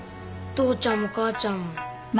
父ちゃんも母ちゃんも。